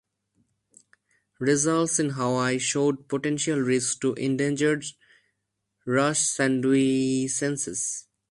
Results in Hawaii showed potential risk to endangered "Rhus sandwicensis".